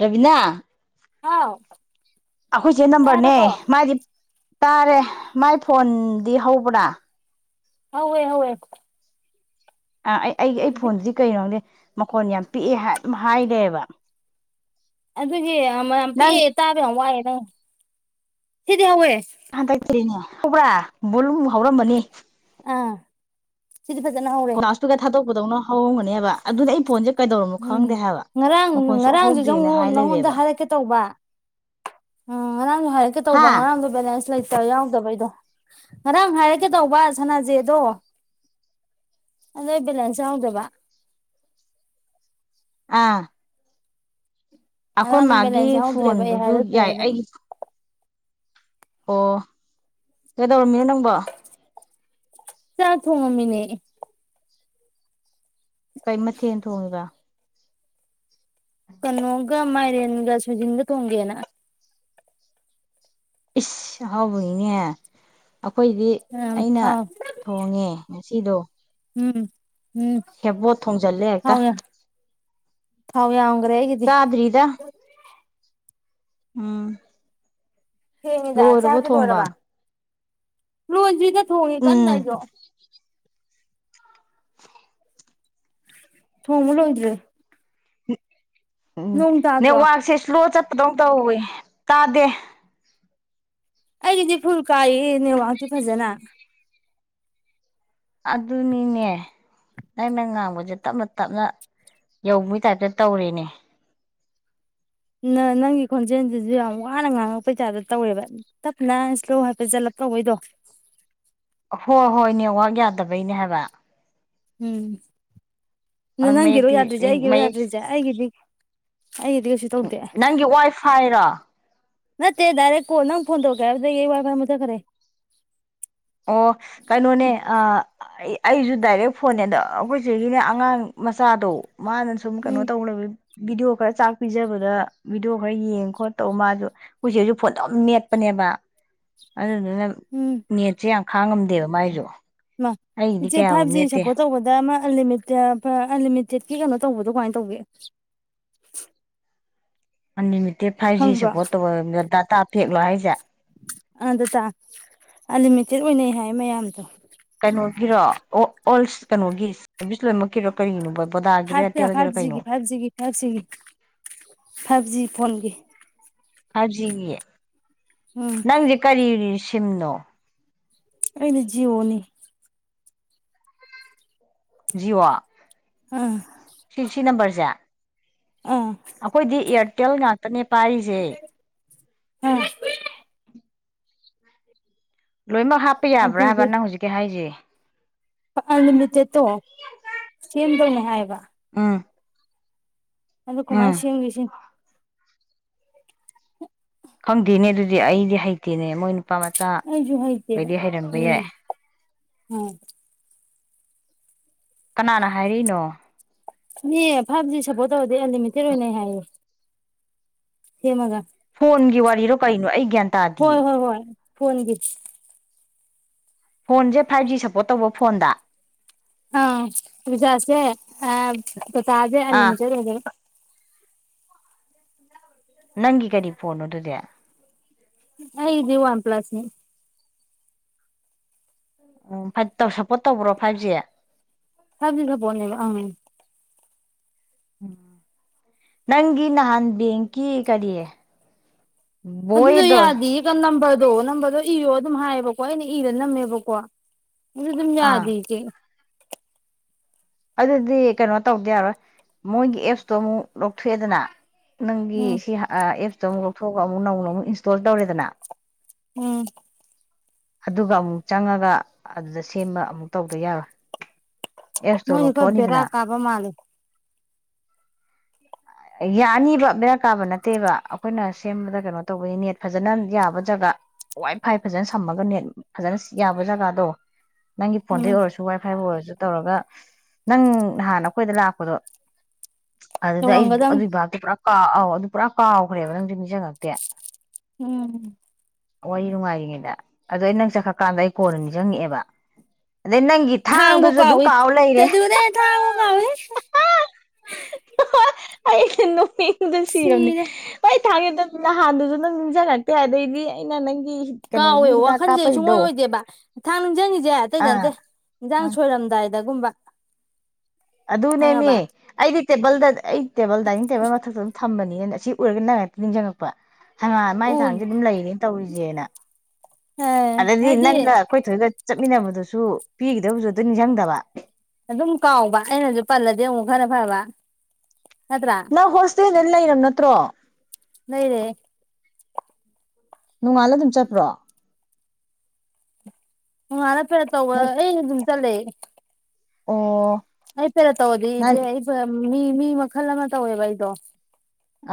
ꯔꯕꯤꯅꯥ ꯍꯥꯎ ꯑꯩꯈꯣꯏꯁꯦ ꯅꯝꯕꯔꯅꯦ ꯇꯥꯔꯕꯣ ꯃꯥꯗꯤ ꯇꯥꯔꯦ ꯃꯥꯏ ꯐꯣꯟꯗꯤ ꯍꯧꯕ꯭ꯔꯥ ꯍꯣꯏ ꯍꯦ ꯑ ꯑꯩ ꯑꯩꯒꯤ ꯑꯩ ꯐꯣꯟꯗꯨꯗꯤ ꯀꯩꯅꯣꯅꯦ ꯃꯈꯣꯟ ꯌꯥꯝ ꯄꯤꯛꯑꯦ ꯑꯗꯨꯝ ꯍꯥꯏꯈꯦꯕ ꯑꯗꯨꯒꯤ ꯌꯥꯝ ꯄꯤꯛꯑꯦ ꯇꯥꯕ ꯌꯥꯝ ꯋꯥꯏꯑꯦ ꯅꯪ ꯁꯤꯗꯤ ꯍꯋꯦ ꯍ ꯇꯇꯅ ꯍꯧꯕ꯭ꯔꯥ ꯕꯨꯜ ꯍꯧꯔꯝꯕꯅꯤ ꯑꯥ ꯁꯤꯗꯤ ꯐꯖꯅ ꯍꯧꯔꯦ ꯗꯧꯅ ꯍꯧꯔꯝꯒꯅꯦꯕ ꯑꯗꯨꯗꯤ ꯑꯩ ꯐꯣꯟꯁꯦ ꯀꯩꯗꯧꯔꯝꯅꯣ ꯈꯪꯗꯦ ꯎꯝ ꯍꯥꯏꯕ ꯉꯔꯥꯡ ꯃꯈꯣꯟ ꯁꯨꯛꯍꯧ ꯉꯔꯥꯡꯗꯨꯁꯨ ꯍꯧꯗꯦꯅ ꯍꯥꯏ ꯅꯉꯣꯟꯗ ꯂꯩꯔꯦꯕ ꯍꯥꯏꯔꯛꯀꯦ ꯇꯧꯕ ꯎꯝ ꯉꯔꯥꯡꯗꯣ ꯍꯥꯏꯔꯛꯀꯦ ꯇꯧꯕ ꯍꯥ ꯉꯔꯥꯡꯗꯣ ꯕꯦꯂꯦꯟꯁ ꯂꯩꯇꯦ ꯌꯥꯎꯗꯕꯩꯗꯣ ꯉꯔꯥꯡ ꯍꯥꯏꯔꯛꯀꯦ ꯇꯧꯕ ꯁꯅꯥꯖꯦꯗꯣ ꯑꯗꯣ ꯚꯦꯂꯦꯟꯁ ꯌꯥꯎꯗꯕ ꯑꯥ ꯑꯩꯈꯣꯏ ꯉꯔꯥꯡꯅ ꯃꯥꯒꯤ ꯕꯦꯂꯦꯟꯁ ꯌꯥꯎꯗ꯭ꯔꯦꯕ ꯑꯩ ꯐꯣꯟꯗꯨꯁꯨ ꯍꯥꯏꯔꯛꯇ꯭ꯔꯦꯕ ꯌꯥꯏ ꯑꯗꯨꯝ ꯑꯩꯒꯤ ꯑꯣ ꯀꯩ ꯇꯧꯔꯝꯃꯤꯅ ꯅꯪꯕꯣ ꯆꯥ ꯊꯨ ꯃꯃꯤꯅꯦ ꯀꯩ ꯃꯊꯦꯜ ꯊꯣꯡꯉꯕ ꯀꯩꯅꯒꯃꯥꯏꯔꯤꯟꯒ ꯁꯖꯤꯗ ꯇꯣꯡꯒꯦꯅ ꯏ ꯍꯕꯨ ꯏꯅꯦ ꯍꯥꯏ ꯑꯩꯈꯣꯏꯗꯤ ꯑꯩꯅ ꯊꯥꯎ ꯊꯣꯡꯉꯦ ꯁꯤꯗ ꯎꯝ ꯎꯝ ꯍꯦꯕꯠ ꯊꯣꯡꯖꯜꯂꯦ ꯍꯥꯏꯛꯇ ꯊꯋ ꯃ꯭ꯔ ꯍꯦꯒꯗꯤ ꯎꯝ ꯊꯦꯡꯉꯦꯗ ꯂꯣꯏꯔꯕ ꯆꯥꯔꯗꯤ ꯊꯣꯡꯕ ꯂꯣꯏꯔꯕ ꯂꯣꯏꯗ꯭ꯔꯤꯗ ꯇꯣꯡꯉꯤ ꯀꯟꯅ ꯎꯝ ꯑꯩꯖꯣ ꯊꯣꯡꯕ ꯂꯣꯏꯗ꯭ꯔꯤ ꯎ ꯎꯝ ꯅꯣꯡ ꯇꯥꯗ꯭ꯔꯣ ꯅꯦꯋꯥ ꯁꯦ ꯁ꯭ꯂꯣ ꯆꯠ ꯇꯧ ꯇꯧꯋꯦ ꯇꯥꯗꯦ ꯑꯩꯒꯤꯗꯤ ꯐꯨꯜ ꯀꯥꯏꯍꯦ ꯅꯦꯋꯥꯛꯗꯤ ꯐꯖꯅ ꯑꯗꯨꯅꯤꯅꯦ ꯅꯪꯅ ꯉꯥꯡꯕꯁꯦ ꯇꯞꯅ ꯇꯞꯅ ꯌꯧꯕꯩꯒꯤ ꯇꯥꯞꯇ ꯇꯧꯔꯤꯅꯦ ꯅ ꯅꯪꯒꯤ ꯈꯣꯟꯖꯦꯜꯁꯤꯁꯨ ꯌꯥꯝ ꯋꯥꯅ ꯉꯥꯡꯉꯛꯄꯩꯁꯥꯗ ꯇꯧꯋꯦꯕ ꯇꯞꯅ ꯏꯁꯂꯣ ꯍꯥꯏꯐꯦꯠ ꯆꯠꯂꯞ ꯇꯧꯕꯩꯗꯣ ꯍꯣꯏ ꯍꯣꯏ ꯅꯦꯠꯋꯔꯥꯛ ꯌꯥꯗꯕꯩꯅꯦ ꯍꯥꯏꯕ ꯎꯝ ꯅꯪꯒꯤꯔꯣ ꯃꯌꯦꯛꯇꯤ ꯌꯥꯗꯔꯤꯖꯦ ꯑꯩꯒꯤ ꯔꯣ ꯃꯌꯦꯛ ꯌꯥꯗ꯭ꯔꯤꯖ ꯑꯩꯒꯤꯗꯤ ꯑꯩꯒꯤꯗꯤ ꯀꯩꯁꯨ ꯇꯧꯗꯦ ꯅꯪꯒꯤ ꯋꯥꯏ ꯐꯥꯏꯔꯣ ꯅꯠꯇꯦ ꯗꯥꯏꯔꯦꯛ ꯀꯣꯜ ꯅꯪ ꯐꯣꯟ ꯇꯧꯔꯛꯀꯦ ꯍꯥꯏꯕꯗꯒꯤ ꯑꯩ ꯋꯥꯏꯐꯥꯏ ꯃꯨꯊꯠ ꯈ꯭ꯔꯦ ꯑꯣ ꯀꯩꯅꯣꯅꯦ ꯑ ꯑꯩꯁꯨ ꯗꯥꯏꯔꯦꯛ ꯐꯣꯟꯅꯦꯗ ꯑꯩꯈꯣꯏ ꯆꯦꯒꯤꯅꯦ ꯑꯉꯥꯡ ꯃꯆꯥꯗꯣ ꯃꯥ ꯅ ꯁꯨꯝ ꯀꯅꯣ ꯎꯝ ꯇꯧ ꯂꯩꯕꯩ ꯚꯤꯗꯤꯑꯣ ꯈꯔ ꯆꯥꯛ ꯄꯤꯖꯕꯗ ꯚꯤꯗꯤꯑꯣ ꯈꯔ ꯌꯦꯡ ꯈꯣꯠꯇꯧ ꯃꯥꯁꯨ ꯑꯩꯈꯣꯏ ꯆꯦꯁꯨ ꯐꯣꯟꯗꯝ ꯃꯦꯠꯄꯅꯦꯕ ꯑꯗꯨꯗꯨꯅ ꯅꯦꯠ ꯅꯤ ꯌꯥꯝ ꯈꯥꯡꯉꯝꯗꯦꯕ ꯃꯥꯏꯁꯨ ꯏꯃꯥ ꯑꯩꯒꯤꯗꯤ ꯏꯆꯦ ꯀꯌꯥꯕꯨ ꯐꯥꯏꯚ ꯖꯤ ꯃꯦꯠꯇꯦ ꯁꯞꯄꯣꯔꯠ ꯇꯧꯕꯗ ꯑꯃ ꯑꯟꯃꯤꯇꯦꯠ ꯑꯟꯂꯤꯃꯤꯇꯦꯠꯀꯤ ꯀꯩꯅꯣ ꯇꯧꯕꯗꯣ ꯀꯃꯥꯏꯅ ꯇꯧꯒꯦ ꯑꯟꯂꯤꯃꯤ ꯇꯦꯠ ꯐꯥꯏꯚ ꯖꯤ ꯈꯪꯕ꯭ꯔꯣ ꯁꯄꯣꯠꯇꯧ ꯇꯥꯞ ꯐꯦꯛꯂꯣ ꯍꯥꯏꯁꯦ ꯑ ꯑꯗꯨꯇꯥ ꯑꯟꯂꯤꯃꯤꯇꯦꯠ ꯑꯣꯏꯅꯩ ꯍꯥꯏ ꯃꯌꯥꯝꯗꯣ ꯑꯣ ꯀꯩꯅꯣꯒꯤꯑꯣꯜꯁ ꯀꯩꯅꯣꯒꯤ ꯑꯣꯐꯤꯁꯂꯣꯏꯃꯛꯀꯤꯔꯣ ꯀꯔꯤꯒꯤꯅꯣꯕ ꯐꯥꯏꯚ ꯐꯥꯏꯚꯖꯤꯒꯤ ꯐꯥꯏꯚ ꯖꯤꯒꯤ ꯐꯥꯏꯚꯖꯤꯒꯤ ꯐꯥꯏꯚ ꯖꯤ ꯐꯣꯟꯒꯤ ꯐꯥꯏꯖꯤꯒꯤ ꯎꯝ ꯅꯪꯗꯤ ꯀꯔꯤꯔꯤ ꯁꯤꯝꯅꯣ ꯑꯩꯅ ꯖꯤꯑꯣꯅꯤ ꯖꯤꯑꯣ ꯎꯝ ꯖ ꯑꯈꯣꯏꯗꯤ ꯇꯦꯂꯡꯥꯟ ꯅꯦ ꯄꯥꯏꯔꯤꯁꯦ ꯎꯝ ꯂꯣꯏꯅꯃꯛ ꯍꯥꯞꯄ ꯌꯥꯕ꯭ꯔꯥ ꯍꯥꯏꯕ ꯅꯪ ꯍꯧꯖꯤꯛꯀꯤ ꯍꯥꯏꯔꯤꯁꯦ ꯄ ꯅꯨꯃꯤꯠꯇꯦꯠꯇꯣ ꯁꯦꯝꯗꯧꯅꯦ ꯍꯥꯏꯕ ꯑꯥ ꯑꯗꯣ ꯀꯨꯃꯔꯁꯤꯁꯤ ꯈꯪꯗꯦꯅꯦ ꯑꯗꯨꯗꯤ ꯑꯩꯗꯤ ꯍꯩꯇꯦꯅꯦ ꯃꯣꯏꯅ ꯅꯨꯄꯥ ꯑꯩꯁꯨ ꯍꯩꯇꯦꯕ ꯃꯆꯥꯕꯩꯗꯤ ꯍꯩꯔꯝꯕ ꯑꯗꯨꯅꯦ ꯌꯥꯏ ꯑꯥ ꯀꯅꯥꯅ ꯍꯥꯏꯔꯤꯅꯣ ꯃꯤ ꯐꯞꯖꯁꯕꯣ ꯑꯗꯨ ꯑꯟꯂꯤꯃꯤꯇꯦꯠ ꯑꯣꯏꯅ ꯍꯥꯏꯌꯦ ꯍꯦꯃꯒ ꯐꯣꯟꯒꯤ ꯋꯥꯔꯤꯔꯣ ꯀꯩꯅꯣ ꯑꯩ ꯒ꯭ꯌꯥꯟ ꯍꯣꯏ ꯇꯥꯗꯤꯌꯦ ꯍꯣꯏ ꯍꯣꯏ ꯐꯣꯟꯣꯟꯒꯤ ꯐꯣꯟꯁꯦ ꯐꯥꯏꯚ ꯖꯤ ꯁꯞꯄꯣꯔꯠ ꯇꯧꯕ ꯐꯣꯟꯗ ꯑ ꯖꯥꯁꯦ ꯑ ꯑ ꯇꯥꯖꯦ ꯑꯥ ꯑꯂꯅꯆꯔ ꯍꯥꯏꯖꯔ ꯅꯪꯒꯤ ꯀꯔꯤ ꯐꯣꯟꯅꯣ ꯑꯗꯨꯗꯤ ꯏ ꯋꯥꯟ ꯄ꯭ꯂꯁꯅꯤ ꯎꯝ ꯐꯥꯏꯚ ꯁꯞꯄꯣꯔꯠ ꯇꯧꯕ꯭ꯔꯣ ꯐꯥꯏꯚ ꯖꯤ ꯁ ꯖ ꯄꯨꯣ ꯂꯩꯕ ꯑ ꯎꯝ ꯅꯪꯒꯤ ꯅꯍꯥꯟ ꯕꯦꯡꯀꯤ ꯀꯔꯤꯌꯦ ꯑꯗꯨꯗꯨ ꯌꯥꯗ ꯏꯒ ꯅꯝꯕ ꯑꯗꯨꯣ ꯅꯝꯕꯗꯨ ꯏꯔꯣ ꯑꯗꯨꯝ ꯍꯥꯏꯌꯦꯕꯀꯣ ꯑꯩꯅ ꯏꯔ ꯅꯝꯃꯦꯕꯀꯣ ꯁꯤꯦ ꯊ ꯑꯥ ꯌꯥꯗꯒꯦ ꯑꯗꯨꯗꯤ ꯀꯩꯅꯣ ꯇꯧꯗꯤ ꯌꯥꯔꯣꯏ ꯃꯣꯏꯒꯤ ꯑꯦꯞꯁꯇꯣ ꯑꯃꯨꯛ ꯂꯧꯊꯣꯛꯑꯦꯗꯅ ꯅꯪꯒꯤ ꯎꯝ ꯁꯤ ꯑꯦꯞ ꯑꯃꯨꯛ ꯂꯧꯊꯣꯛꯑꯒ ꯑꯃꯨꯛ ꯅꯧꯅ ꯑꯃꯨꯛ ꯏꯟꯁꯇꯣꯜ ꯇꯧꯔꯦꯗꯅ ꯎꯝ ꯑꯗꯨꯒ ꯑꯃꯨꯛ ꯆꯪꯉꯒ ꯑꯗꯨꯗ ꯁꯦꯝꯕ ꯑꯃꯨꯛ ꯇꯧꯗ ꯌꯥꯔꯣꯏ ꯑꯦꯞꯁꯇꯣ ꯃꯣꯏꯁꯨ ꯈꯕꯦꯔꯥ ꯂꯧꯊꯣꯛꯑꯅꯤꯗꯅ ꯀꯥꯕ ꯃꯥꯂꯦ ꯌꯥꯅꯤꯕ ꯕꯦꯔꯥ ꯀꯥꯕ ꯅꯠꯇꯦꯕ ꯑꯩꯈꯣꯏꯅ ꯁꯦꯝꯕꯗ ꯀꯩꯅꯣ ꯇꯧꯕꯅꯤ ꯅꯦꯠ ꯐꯖꯅ ꯌꯥꯕ ꯖꯒꯥ ꯋꯥꯏ ꯐꯥꯏ ꯐꯖꯅ ꯁꯝꯃꯒ ꯅꯦꯠ ꯐꯖꯅ ꯌꯥꯕ ꯖꯒꯥꯗꯣ ꯅꯪꯒꯤ ꯐꯣꯟꯗꯩ ꯎꯝ ꯑꯣꯏꯔꯁꯨ ꯋꯥꯏ ꯐꯥꯏꯕꯨ ꯑꯣꯏꯔꯁꯨ ꯇꯧꯔꯒ ꯅꯪ ꯅꯍꯥꯟ ꯑꯩꯈꯣꯏꯗ ꯂꯥꯛꯄꯗꯣ ꯑꯗꯨꯗ ꯑꯗꯨ ꯇꯧꯔꯝꯒꯗꯕꯅꯤ ꯀꯥꯎ ꯑꯧ ꯑꯗꯨ ꯄꯨꯔꯥ ꯀꯥꯎꯈ꯭ꯔꯦꯕ ꯅꯪꯁꯨ ꯃꯤꯁꯉꯛꯇꯦ ꯎꯝ ꯋꯥꯔꯤ ꯅꯨꯡꯉꯥꯏꯔꯤꯉꯩꯗ ꯑꯗꯣ ꯑꯩ ꯅꯪ ꯆꯠꯈ꯭ꯔꯀꯥꯟꯗ ꯑꯩ ꯀꯣꯟꯜꯅꯤ ꯆꯪꯉꯛꯑꯦꯕ ꯑꯗꯩ ꯅꯪꯒꯤ ꯊꯥꯡꯗꯨꯁꯨ ꯑꯗꯨꯝ ꯀꯥꯎ ꯂꯩꯔꯦ ꯗꯒꯋꯦ ꯑꯩ ꯅꯨꯣꯄꯤꯤ ꯗ ꯁꯤꯔꯝꯅꯦ ꯊꯥꯒꯦꯗꯕ ꯅꯍꯥꯟꯗꯨꯁꯨ ꯅꯪ ꯅꯤꯡꯁꯤꯡꯉꯛꯇꯦ ꯑꯗꯩꯗꯤ ꯑꯩꯅ ꯅꯪ ꯀꯥꯎꯋꯦꯕ ꯋꯥꯈꯟꯁꯦ ꯁꯨꯡꯑꯣꯣꯏ ꯑꯣꯏꯗꯦꯕ ꯊꯥꯡ ꯅꯤꯡꯁꯤꯡꯉꯁꯦ ꯑꯇꯩꯗ ꯑꯥ ꯅꯠꯇꯦ ꯏꯟꯖꯥꯡ ꯑꯥ ꯁꯣꯏꯔꯝꯗꯥꯏꯗ ꯗꯒꯨꯝꯕ ꯑꯗꯨꯅꯦꯃꯤ ꯑꯩꯗꯤ ꯇꯦꯕꯜꯗ ꯑꯩ ꯇꯦꯕꯜ ꯗꯥꯏꯅꯤꯡ ꯇꯦꯕꯜ ꯃꯊꯛꯇ ꯑꯗꯨꯝ ꯊꯝꯕꯅꯤ ꯑꯁꯤ ꯑꯣꯏꯔꯒ ꯅ ꯉꯍꯥꯛꯇ ꯅꯤꯡꯁꯤꯡꯉꯛꯄ ꯍ ꯃꯥꯏ ꯎ ꯊꯥꯡꯁꯦ ꯑꯗꯨꯝ ꯂꯩꯔꯦꯅ ꯇꯧꯔꯤꯁꯦ ꯌꯦꯅ ꯑꯗꯗꯤ ꯍꯥꯏꯗꯤ ꯅꯪꯒ ꯑꯩꯈꯣꯏꯊꯣꯏꯒ ꯆꯠꯃꯤꯟꯅꯕꯗꯨꯁꯨ ꯄꯤꯈꯤꯗꯕꯁꯨ ꯑꯗꯨ ꯅꯤꯡꯁꯤꯡꯗꯕ ꯑꯗꯨꯝ ꯀꯥꯎꯕ ꯑꯩꯅꯁꯨ ꯄꯜꯂꯗꯤ ꯑꯃꯨꯛ ꯈꯔ ꯐꯕ ꯅꯠꯇ꯭ꯔꯥ ꯅꯪ ꯍꯣꯁꯇꯦꯅꯦꯅ ꯂꯩꯩꯅꯝ ꯅꯠꯇ꯭ꯔꯣ ꯅꯣꯏꯗꯦ ꯅꯣꯡꯉꯥꯜꯂ ꯑꯗꯨꯝ ꯆꯠꯄ꯭ꯔꯣ ꯎꯔ ꯇꯧꯋ ꯅꯪ ꯑꯩ ꯑꯗꯨꯝ ꯆꯂꯦ ꯑꯣ ꯑ ꯄꯦꯔ ꯅꯪ ꯇꯒꯣꯗꯤꯖꯦ ꯃꯤ ꯃꯤ ꯃꯈꯜ ꯑꯃ ꯇꯧꯋꯦꯕ ꯑꯩꯗꯣ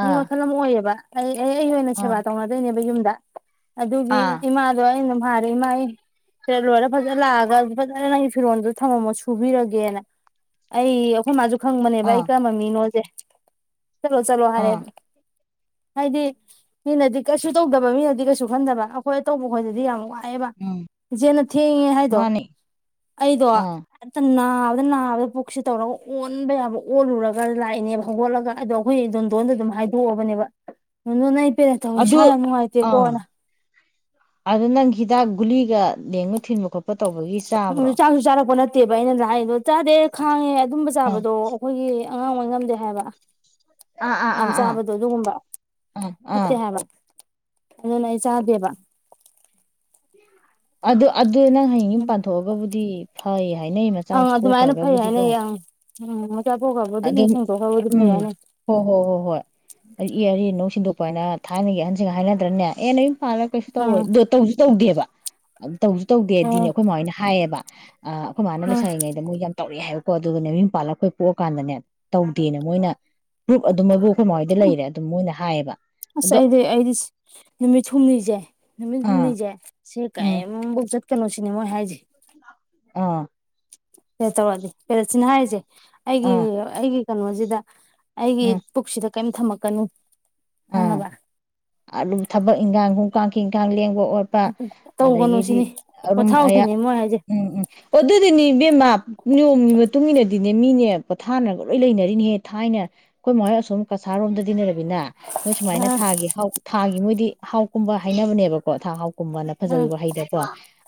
ꯑꯩ ꯑꯥ ꯋꯥꯈꯜ ꯑꯃ ꯑꯣꯏꯌꯦꯕ ꯑꯩ ꯑꯦ ꯑꯩ ꯑꯣꯏꯅ ꯑꯥ ꯁꯦꯕꯥ ꯇꯧꯅꯗꯣꯏꯅꯦꯕ ꯌꯨꯝꯗ ꯑ ꯑꯗꯨꯒꯤ ꯑꯥ ꯏꯃꯥ ꯑꯗꯨ ꯃꯥꯔꯦ ꯏꯃꯥꯥꯏ ꯐꯔ ꯂꯣꯏꯔ ꯐꯖꯅ ꯂꯥꯛꯑꯒ ꯐꯖꯅ ꯅꯪꯒꯤ ꯐꯤꯔꯣꯟꯗꯨ ꯊꯝꯃꯝꯃꯣ ꯁꯨꯕꯤꯔꯒꯦꯅ ꯑꯩ ꯑꯩꯈꯣꯏ ꯃꯥꯁꯨ ꯈꯪꯕꯅꯦꯕ ꯑꯥ ꯑꯩ ꯀꯔꯝꯕ ꯃꯤꯅꯣꯁꯦ ꯆꯠꯂꯣ ꯆꯠꯂꯣ ꯑꯥ ꯃꯥꯔꯦꯅꯦ [unintelligible] [inaudible] ꯍꯥꯏꯗꯤ ꯃꯤꯅꯗꯤ ꯀꯩꯁꯨ ꯇꯧꯗꯕ ꯃꯤꯅꯗꯤ ꯀꯩꯁꯨ ꯈꯟꯗꯕ ꯑꯩꯈꯣꯏ ꯑꯇꯧꯕ ꯈꯣꯏꯗꯗꯤ ꯌꯥꯝ ꯋꯥꯏ ꯍꯥꯏꯕ ꯎꯝ ꯏꯆꯦꯅ ꯊꯦꯡꯉꯦ ꯍꯥꯏꯗꯣ ꯃꯥꯅꯤ ꯑꯩꯗꯣ ꯑꯥ ꯍꯦꯛꯇ ꯅꯥ ꯅꯥꯕꯗ ꯅꯥꯕꯗ ꯄꯨꯛꯁꯤ ꯇꯧꯔꯒ ꯑꯣꯟꯕ ꯌꯥꯕ ꯑꯣꯜꯂꯨꯔꯒ ꯂꯥꯛꯏꯅꯦꯕ ꯍꯧꯒꯠꯂꯒ ꯑꯗꯣ ꯑꯩꯈꯣꯏꯝ ꯗꯣꯟꯗ ꯑꯗꯨꯝ ꯍꯥꯏꯗꯣꯛꯑꯕꯅꯦꯕ ꯗꯣꯟꯗꯣꯟ ꯑꯩ ꯄꯦꯔꯗ ꯇꯧꯋꯦ ꯑꯗꯨ ꯏꯁꯥ ꯌꯥꯝ ꯅꯨꯡꯉꯥꯏꯇꯦꯀꯣꯅ ꯑꯗꯨꯗ ꯅꯪ ꯍꯤꯗꯥꯛ ꯒꯨꯂꯤꯒ ꯂꯦꯡꯕ ꯊꯤꯟꯕ ꯈꯣꯠꯄ ꯇꯧꯕꯒꯤ ꯎꯝ ꯆꯥꯕ꯭ꯔꯣ ꯆꯥꯛꯁꯨ ꯆꯥꯔꯛꯄ ꯅꯠꯇꯦ ꯅꯠꯇꯦꯕ ꯑꯩꯅꯖꯨ ꯍꯥꯏꯔꯤꯗꯣ ꯆꯥꯗꯦ ꯈꯥꯡꯉꯦ ꯑꯗꯨꯝꯕ ꯑꯥ ꯆꯥꯕꯗꯣ ꯑꯩꯈꯣꯏꯒꯤ ꯑꯉꯥꯡ ꯑꯣꯏ ꯉꯝꯗꯦ ꯍꯥꯏꯕ ꯑꯥ ꯌꯥꯝ ꯑꯥ ꯑꯥ ꯆꯥꯕꯗꯣ ꯑꯗꯨꯒꯨꯝꯕ ꯑꯥ ꯑꯥ ꯐꯠꯇꯦ ꯑꯥ ꯍꯥꯏꯕ ꯑꯗꯨꯅ ꯑꯩ ꯆꯥꯗꯦꯕ ꯑꯗꯨ ꯑꯗ ꯑꯗꯨ ꯅꯪ ꯍꯌꯦꯡ ꯌꯨꯝ ꯄꯥꯟꯊꯣꯛꯑꯒꯕꯨꯗꯤ ꯐꯩ ꯍꯥꯏꯅꯩ ꯃꯆꯥ ꯑꯪ ꯃꯁꯨ ꯑꯗꯨꯃꯥꯏꯅ ꯐꯩ ꯄꯣꯛꯈ꯭ꯔꯒꯕꯨꯗꯤꯀꯣ ꯍꯥꯏꯅꯩ ꯑꯪ ꯎꯝ ꯄꯣꯛꯈ꯭ꯔꯕꯨꯗꯤ ꯏ ꯑꯗꯨꯝ ꯁꯦꯡꯇꯣꯛꯈ꯭ꯔꯕꯨꯗꯤ ꯎꯝ ꯐꯩ ꯍꯥꯏꯅꯩ ꯍꯣ ꯍꯣꯏ ꯍꯣꯏ ꯍꯣꯏ ꯏ ꯑꯔꯤ ꯑꯅꯧ ꯁꯤꯟꯗꯣꯛ ꯑꯩꯣꯏꯅ ꯊꯥꯏꯅꯒꯤ ꯑꯍꯟꯁꯤꯡꯒ ꯍꯥꯏꯅꯗ꯭ꯔꯅꯦ ꯑꯦ ꯅꯌꯨꯝ ꯄꯥꯜꯂꯒ ꯀꯩꯁꯨ ꯑꯪ ꯇꯧꯔꯣꯏ ꯗꯣ ꯇꯧꯁꯨ ꯇꯧꯗꯦꯕ ꯑꯗꯨ [unintelligible] ꯇꯧꯁꯨ ꯇꯧꯗꯦꯗꯤꯅꯦ ꯑꯣ ꯑꯩꯈꯣꯏ ꯃꯃꯣꯏꯅ ꯍꯥꯏꯌꯦꯕ ꯑꯝ ꯑꯩꯈꯣꯏ ꯏꯃꯥꯍꯣꯏ ꯑꯪ ꯂꯩꯁꯥꯔꯤꯉꯩꯗ ꯃꯣꯏ ꯌꯥꯝ ꯇꯧꯔꯛꯏ ꯍꯥꯏꯕꯀꯣ ꯑꯗꯨꯒ ꯌꯨꯝ ꯄꯥꯜꯂ ꯑꯩꯈꯣꯏ ꯄꯣꯛ ꯀꯥꯟꯗꯅꯦ ꯇꯧꯗꯦꯅ ꯃꯣꯏꯅ ꯄ꯭ꯔꯨꯞ ꯑꯗꯨꯝ ꯃꯣꯏꯕꯨ ꯑꯩꯈꯣꯏ ꯃꯥ ꯍꯣꯏꯗ ꯎ ꯂꯩꯔꯦ ꯑꯗꯨꯝ ꯃꯣꯏꯅ ꯍꯥꯏꯌꯦꯕ ꯑꯁ ꯑꯗꯣ ꯑꯩꯗꯤ ꯑꯩꯗꯤ ꯅꯨꯃꯤꯠ ꯍꯨꯝꯅꯤꯁꯦ ꯅꯨꯃꯤꯠ ꯑꯥ ꯍꯨꯝꯅꯤꯁꯦ ꯁꯤ ꯎꯝ ꯀꯩꯌꯤꯝꯐꯧ ꯆꯠ ꯀꯅꯣꯁꯤꯅꯦ ꯃꯣꯏ ꯍꯥꯏꯁꯦ ꯑꯥ ꯄꯦꯔꯗ ꯇꯧꯔꯗꯤ ꯄꯦꯔꯗꯁꯤꯅ ꯍꯥꯏꯁꯦ ꯑꯩꯒꯤ ꯑꯥ ꯑꯩꯒꯤ ꯀꯩꯅꯣꯁꯤꯗ ꯑꯩꯒꯤ ꯎꯝ ꯄꯨꯈꯁꯤꯗ ꯀꯩꯌꯤꯝ ꯊꯝꯃꯛꯀꯅꯨ ꯑꯥ ꯈꯡꯉꯕ ꯑꯗꯨꯝ ꯊꯕꯛ ꯏꯪꯈꯥꯡ ꯍꯣꯡ ꯀꯥꯡꯈꯤꯡ ꯀꯥꯡ ꯂꯦꯡꯕ ꯑꯣꯠꯄ ꯇꯧꯒꯅꯨ ꯑꯗꯒꯤꯗꯤ ꯁꯤꯅꯤ ꯑꯔꯨꯝ ꯑꯌꯥ ꯄꯣꯊꯥꯎꯁꯤꯅꯦ ꯃꯣꯏ ꯍꯥꯏꯁꯦ ꯎꯝ ꯎꯝ ꯑꯗꯨꯗꯤꯅꯤ ꯏꯕꯦꯝꯃꯥ ꯅꯤꯌꯣꯝꯒꯤ ꯃꯇꯨꯡ ꯏꯟꯅꯗꯤ ꯅꯦ ꯃꯤꯅꯦ ꯄꯣꯊꯥꯅꯒ ꯂꯣꯏ ꯂꯩꯅꯔꯤꯅꯤꯍꯦ ꯊꯥꯏꯅ ꯑꯩꯈꯣꯏ ꯃꯈꯣꯏ ꯑꯁꯣꯝ ꯀꯁꯥꯔꯣꯝꯗꯗꯤ ꯂꯩꯔꯛ ꯍꯣꯏ ꯁꯨꯃꯥꯏꯅ ꯑ ꯊꯥꯒꯤ ꯍꯧ ꯃꯣꯏꯗꯤ ꯍꯥꯎꯀꯨꯝꯕ ꯍꯥꯏꯅꯕꯅꯦꯕꯀꯣ ꯊ ꯍꯥꯎ ꯀꯨꯝꯕꯅ ꯐꯖ ꯎꯝ ꯋꯥꯍꯩꯗꯀꯣ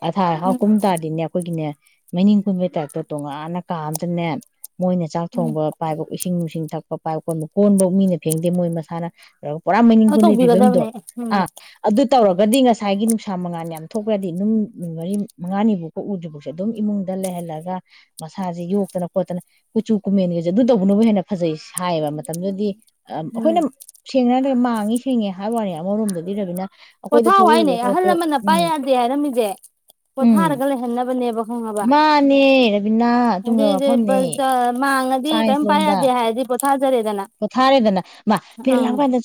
ꯑꯊꯥ ꯑꯍꯥꯎ ꯎꯝ ꯀꯨꯝ ꯇꯥꯔꯗꯤꯅꯦ ꯑꯩꯈꯣꯏꯒꯤꯅꯦ ꯃꯩꯅꯤꯡ ꯀꯨꯝꯕꯩ ꯇꯥꯏꯞꯇ ꯇꯣꯉꯥꯟꯅ ꯀꯥ ꯑꯝꯗꯅꯦ ꯃꯣꯏꯅ ꯆꯥꯛ ꯎꯝ ꯊꯣꯡꯕ ꯄꯥꯏꯕ ꯎꯏꯁ ꯏꯁꯤꯡ ꯅꯨꯡꯁꯤꯡ ꯊꯛꯄ ꯄꯥꯏꯕ ꯀꯣꯟꯕꯣ ꯀꯣꯟꯕꯥꯎ ꯃꯤꯅ ꯐꯦꯡꯗꯦ ꯃꯣꯏ ꯃꯁꯥꯅ ꯄꯨꯔꯥ ꯃꯩꯅꯤꯡ ꯑꯗꯨ ꯀꯨꯝꯕꯩ ꯗꯣ ꯇꯧꯕꯤꯒꯗꯕꯅꯦ ꯎꯝ ꯑ ꯑꯗꯨ ꯇꯧꯔꯒꯗꯤ ꯉꯁꯥꯏꯒꯤ ꯅꯨꯡꯁꯥ ꯃꯉꯥꯟ ꯌꯥꯝ ꯊꯣꯛꯈ꯭ꯔꯗꯤ ꯑꯗꯨꯝ ꯅꯨꯃꯤꯠ ꯃꯔꯤ ꯃꯉꯥꯅꯤꯐꯥꯎꯀ ꯎꯗ꯭ꯔꯤ ꯐꯥꯎꯁꯦ ꯑꯗꯨꯝ ꯏꯃꯨꯡꯗ ꯂꯩꯍꯜꯂꯒ ꯃꯁꯥꯁꯦ ꯌꯣꯛꯇꯅ ꯈꯣꯠꯇꯅ ꯀꯨꯆꯨ ꯀꯨꯃꯦꯟꯒꯁꯦ ꯑꯗꯨ ꯇꯧꯕꯅꯕꯨ ꯍꯦꯟꯅ ꯐꯖꯩ ꯍꯥꯏꯥꯌꯦꯕ ꯃꯇꯝꯗꯨꯗꯤ ꯎꯝ ꯑꯩꯈꯣꯏꯅ ꯁꯦꯡꯅ ꯍꯥꯏꯇꯥꯔꯗꯤ ꯃꯥ ꯊꯦꯡꯉꯦ ꯍꯥꯏꯕꯅꯤ ꯑꯃꯔꯣꯝꯗ ꯂꯩꯔꯃꯤꯅ ꯄꯣꯊꯥꯎ ꯍꯥꯏꯅꯦ ꯑꯍꯜ ꯂꯃꯟꯅ ꯄꯥꯏ ꯌꯥꯗꯦ ꯍꯥꯏꯔꯝꯃꯤꯖꯦ ꯎꯝ ꯄꯣꯊꯥꯔꯒ ꯂꯩꯍꯟꯅꯕꯅꯦꯕ ꯈꯪꯉꯕ ꯃꯥꯅꯦ ꯔꯕꯤꯅꯥ ꯑꯗꯨꯗꯤ ꯑꯆꯨꯝꯈ꯭ꯔꯕ ꯋꯥꯐꯝꯅꯦ ꯑꯟꯏꯟꯇꯦꯜꯂꯤꯖꯤꯕꯜ ꯍꯥꯡꯉꯗꯤ ꯁꯥꯏꯟꯁ ꯀꯔꯤꯝ ꯄꯥꯏ ꯂꯣꯝꯗ ꯌꯥꯗꯦ ꯍꯥꯏꯔꯗꯤ ꯄꯣꯊ ꯄꯣꯊꯥꯔꯦꯗꯅ ꯃꯥ ꯄꯦꯔꯗ ꯂꯥꯛꯄ ꯀꯥꯟꯗ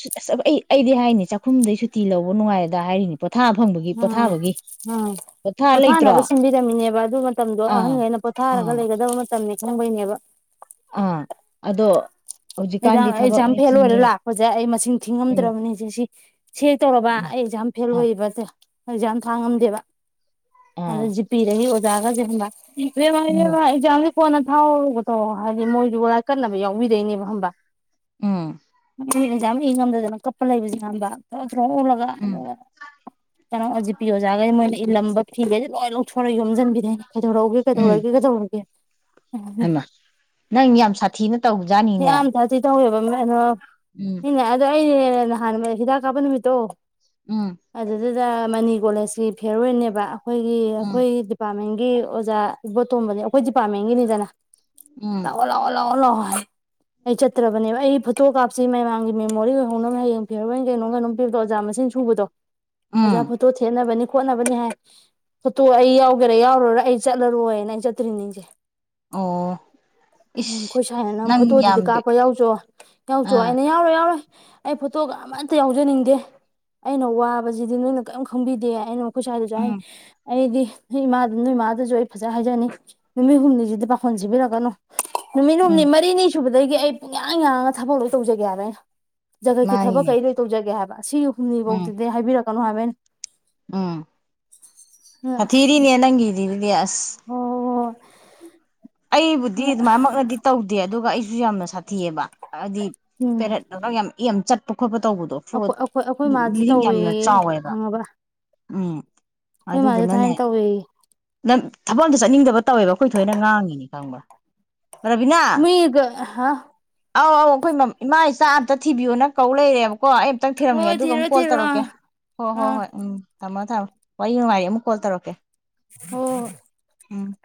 ꯑꯩ ꯑꯩꯗꯤ ꯍꯥꯏꯅꯤ ꯆꯥꯛꯈꯨꯝꯗꯩ ꯁꯨꯇꯤ ꯂꯧꯕ ꯅꯨꯡꯉꯥꯏꯗ ꯍꯥꯏꯔꯤꯅꯤ ꯄꯣꯊꯥ ꯐꯪꯕꯒꯤ ꯎꯝ ꯄꯣꯊꯥꯕꯒꯤ ꯎꯝ ꯄꯣꯊꯥ ꯂꯩꯇ꯭ꯔꯣ ꯄꯣꯊꯥꯅꯕ ꯁꯤꯟꯕꯤꯔꯝꯃꯤꯅꯦꯕ ꯑꯗꯨ ꯃꯇꯝꯗꯣ ꯑꯥ ꯑꯍꯟꯈꯩꯅ ꯄꯣꯊꯥꯔꯒ ꯑꯥ ꯂꯩꯒꯗꯕ ꯃꯇꯝꯅꯤ ꯈꯪꯕꯩꯅꯦꯕ ꯑꯥ ꯑꯗꯣ ꯑꯦ ꯍꯧꯖꯤꯛꯀꯥꯟꯗꯤ ꯑꯦꯛꯖꯥꯝ ꯊꯕꯛꯅꯤ ꯐꯦꯜ ꯑꯣꯏꯔ ꯆꯤꯟꯅꯤ ꯂꯥꯛꯄꯁꯦ ꯑꯩ ꯃꯁꯤꯡ ꯎꯝ ꯊꯤꯉꯝꯗ꯭ꯔꯕꯅꯤ ꯆꯦꯁꯤ ꯁꯤ ꯍꯦꯛ ꯇꯧꯔꯕ ꯃꯥ ꯑꯩ ꯑꯦꯛꯖꯥꯝ ꯐꯦꯜ ꯑꯥ ꯑꯣꯌꯦꯕ ꯑꯦꯛꯖꯥꯝ ꯊꯥꯉꯝꯗꯦꯕ ꯑꯗ ꯑꯥ ꯖꯤ ꯄꯤꯗꯒꯤ ꯖꯥꯒꯁꯦ ꯈꯪꯕ꯭ꯔꯥ ꯎꯝ ꯑꯟꯏꯟꯇꯦꯜꯂꯤꯖꯤꯕꯜ ꯑꯦꯛꯖꯥꯝ ꯀꯣꯟꯅ ꯊꯥꯎꯔꯨꯒ ꯇꯧ ꯍꯥꯏꯗꯤ ꯃꯣꯏꯁꯨ ꯂꯥꯏ ꯀꯠꯅꯕ ꯌꯥꯎꯕꯤꯗꯣꯏꯅꯦꯕ ꯈꯪꯕ꯭ꯔ ꯎꯝ ꯃꯤ ꯏꯛꯖꯥꯝ ꯏ ꯉꯝꯗꯗꯅ ꯀꯞꯄ ꯂꯩꯕꯁꯨ ꯌꯥꯎꯗꯕ ꯀꯣ ꯑꯟꯏꯟꯇꯦꯜꯂꯤꯖꯤꯕꯜ ꯑꯗꯨꯒ ꯎꯝ ꯀꯩꯅꯣ ꯑ ꯖꯤ ꯄꯤ ꯑꯣꯖꯒꯩ ꯃꯣꯏ ꯂꯩ ꯏꯂꯝꯕ ꯐꯤꯒꯁꯦ ꯂꯣꯏ ꯂꯧꯊꯣꯛꯔꯑ ꯒ ꯌꯣꯝꯖꯟꯕꯤꯗꯩꯅꯦ ꯀꯩꯗꯧꯔꯛꯎꯒꯦ ꯀꯩꯗꯧꯔꯒꯦ ꯀꯗꯧꯔꯒꯦ ꯍꯩꯃꯥ ꯅꯪ ꯌꯥꯝ ꯁꯥꯊꯤꯅ ꯇꯧꯖꯥꯠꯅꯤꯅꯦ ꯤ ꯇꯧꯋꯦꯕꯅ ꯏꯅꯦ ꯑꯗꯨ ꯑꯩꯅꯦ ꯅꯍꯥꯟ ꯍꯤꯗꯥꯛ ꯀꯥꯞꯄ ꯅꯨꯃꯤꯠꯇꯣ ꯎꯝ ꯑꯣꯖꯥ ꯃꯅꯤ ꯀꯣꯂꯦꯖꯀꯤ ꯐꯦꯔ ꯑꯣꯏꯅꯅꯦꯦꯕ ꯑꯩꯈꯣꯏꯒꯤ ꯎꯝ ꯑꯩꯈꯣꯏ ꯗꯤꯄꯥꯔꯠꯃꯦꯟ ꯑꯣꯖꯥ ꯏꯕꯣꯇꯣꯝꯕꯅꯦ ꯑꯩꯈꯣꯏ ꯗꯤꯄꯥꯔꯠꯃꯦꯟꯒꯤꯅꯤꯗꯅ ꯎꯝ ꯂꯥꯛꯑꯣꯣ ꯂꯥꯛꯑꯣ ꯂꯥꯛꯑꯣ ꯂꯣ ꯍꯣꯏ ꯑꯩ ꯆꯠꯇ꯭ꯔꯕꯅꯦꯕ ꯑꯩ ꯐꯣꯇꯣ ꯀꯥꯞꯁꯤ ꯃꯃꯥꯡꯒꯤ ꯃꯦꯃꯣꯔꯤ ꯑꯣꯏꯍꯧꯅꯕ ꯍꯌꯦꯡ ꯄꯤꯔꯔꯣꯏꯅ ꯀꯩꯅꯣꯝ ꯀꯩꯅꯣꯝ ꯄꯤꯕꯗꯣ ꯑꯣꯖꯥ ꯃꯁꯤꯡ ꯁꯨꯕꯗꯣ ꯃꯖꯥ ꯎꯝ ꯐꯠꯇꯦꯅꯅꯤ ꯈꯣꯠꯅꯕꯅꯤ ꯍꯥꯏ ꯐꯣꯇꯣ ꯑꯩ ꯌꯥꯎꯒꯦꯔꯥ ꯌꯥꯎꯔꯨꯔ ꯑꯩ ꯆꯠꯂꯔꯣꯏꯅ ꯑꯩ ꯆꯠꯇ꯭ꯔꯤ ꯅꯤꯡꯁꯦ ꯑꯣ ꯏꯁ ꯑꯩꯈꯣꯏ ꯁꯥꯏꯅ ꯅꯪ ꯌꯥꯝ ꯐꯣꯇꯣꯗꯨꯗꯤ ꯀꯥꯞꯄ ꯌꯥꯎꯖꯣ ꯌꯥꯎꯖꯣ ꯑꯥ ꯑꯩꯅ ꯌꯥꯎꯔꯣꯏ ꯌꯥꯎꯔꯣꯏ ꯑꯩ ꯐꯣꯇꯣꯒ ꯑꯃꯇ ꯌꯥꯎꯖꯅꯤꯡꯗꯦ ꯑꯩꯅ ꯋꯥꯕꯁꯤꯗꯤ ꯅꯣꯏꯅ ꯀꯔꯤꯝ ꯈꯪꯕꯤꯗꯦ ꯑꯩꯅ ꯈꯨꯁꯥꯜꯁꯨ ꯎꯝ ꯑꯩꯗꯤ ꯅꯣꯏ ꯏꯃꯥꯗ ꯅꯣꯏ ꯏꯃꯥꯗꯨꯁꯨ ꯑꯩ ꯐꯖꯅ ꯍꯥꯏꯖꯅꯤ ꯅꯨꯃꯤꯠ ꯍꯨꯝꯅꯤꯁꯤꯗꯤ ꯄꯥꯈꯣꯟ ꯁꯤꯕꯤꯔꯛꯀꯅꯨ ꯅꯨꯃꯤꯅ ꯎꯨꯝꯅꯤ ꯎꯝ ꯃꯔꯤꯅꯤ ꯁꯨꯕꯗ ꯑꯗꯒꯤ ꯑꯩ ꯄꯨꯡꯌꯥꯡ ꯌꯥꯡꯉꯒ ꯊꯕꯛ ꯂꯧ ꯇꯧꯖꯒꯦ ꯍꯥꯏꯕꯩꯅ ꯖꯒꯠꯀꯤ ꯊꯕꯛ ꯃꯥꯅꯤꯅꯦ ꯀꯩꯗꯩ ꯇꯧꯖꯒꯦ ꯍꯥꯏꯕ ꯁꯤ ꯎꯝ ꯁꯨꯝꯅꯤꯐꯧꯇꯗ ꯍꯥꯏꯕꯤꯔꯛꯄ ꯀꯂꯣ ꯍꯥꯏꯕꯦꯟ ꯎꯝ ꯐ ꯊꯤꯔꯤꯅꯦ ꯅꯪꯗꯗꯤ ꯑꯣ ꯑꯩꯕꯨꯗꯤ ꯑꯗꯨꯃꯥꯏꯃꯛꯅꯗꯤ ꯇꯧꯗꯦ ꯑꯗꯨꯒ ꯑꯩ ꯁꯨ ꯌꯥꯝꯅ ꯁꯥꯊꯤꯑꯕ꯫ ꯍꯥꯏꯗꯤ ꯎꯝ ꯄꯦꯔꯠ ꯌꯥꯝ ꯏ ꯌꯥꯝ ꯆꯠ [unintelligible] ꯇꯧꯕꯗꯣ ꯑꯩꯈꯣꯏ ꯐ꯭ꯔꯣꯗ ꯑꯩꯈꯣꯏ ꯑꯩꯈꯣꯏ ꯃꯥꯁꯨ ꯕꯂꯤꯗꯤꯡ ꯌꯥꯝꯅ ꯇꯧꯋꯦꯌꯦ ꯆꯥꯎꯋꯦꯕ ꯈꯪꯉꯕ ꯎꯝ ꯑꯩꯈꯣꯏ ꯃꯥꯁꯨ ꯑꯗꯨꯗꯨꯅꯅꯦ ꯊꯥꯏꯅ ꯇꯧꯋꯦꯌꯦ ꯅ ꯊꯕꯛꯗꯣ ꯆꯠꯅꯤꯡꯗꯕ ꯇꯧꯋꯦꯕ ꯑꯩꯈꯣꯏ ꯊꯣꯏꯅ ꯉꯥꯡꯉꯤꯅꯦ [unintelligible] ꯃꯤꯒ ꯍꯥ꯫ ꯑꯧ - ꯑꯧ ꯑꯈꯣꯏ ꯏꯃꯥꯏ ꯆꯥꯛ ꯑꯝꯇ ꯊꯤꯕꯤꯌꫭꯅ ꯀꯧ ꯂꯩꯔꯦ꯫ ꯀꯣ ꯑꯩ ꯑꯝꯛꯇꯪ ꯊꯤꯔꯝꯒꯦ ꯍꯣꯏ ꯑꯗꯨꯒ ꯊꯤꯔꯣ ꯑꯃꯨꯛ ꯀꯣꯜ ꯊꯤꯔꯣ ꯑꯥ ꯇꯧꯔꯛꯀꯦ ꯍꯣꯏ- ꯍꯣꯏ - ꯑꯥ ꯍꯣꯏ ꯎꯝ ꯊꯝꯃꯣ ꯊꯝꯃꯣ꯫ ꯋꯥꯔꯤ ꯅꯨꯡꯉꯥꯏꯔꯤ ꯑꯃꯨꯛ ꯀꯣꯜ ꯇꯧꯔꯛꯀꯦ꯫ ꯍꯣꯏ ꯫ ꯎꯝ꯫